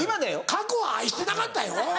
過去は愛してなかったよ？